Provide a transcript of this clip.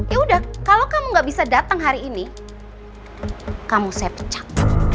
ya udah kalau kamu gak bisa datang hari ini kamu saya pecak